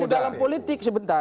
dan di dalam politik sebentar